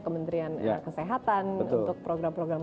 kementerian kesehatan untuk program program